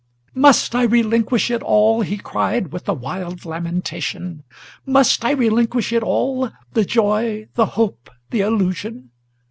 "Must I relinquish it all," he cried with a wild lamentation, "Must I relinquish it all, the joy, the hope, the illusion?